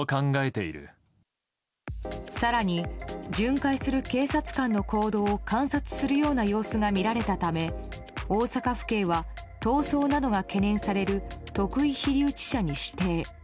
更に、巡回する警察官の行動を観察するような様子が見られたため大阪府警は逃走などが懸念される特異被留置者に指定。